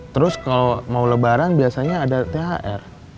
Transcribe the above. terus kalau mau lebaran biasanya ada thr